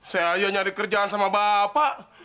saya aja nyari kerjaan sama bapak